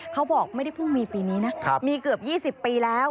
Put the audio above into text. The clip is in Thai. เขาบอกไม่ได้เพิ่งมีปีนี้นะมีเกือบ๒๐ปีแล้ว